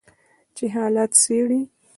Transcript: چې حالات څیړي